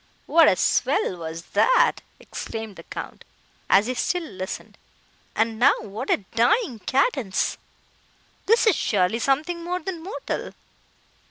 "What a swell was that!" exclaimed the Count, as he still listened, "And now, what a dying cadence! This is surely something more than mortal!"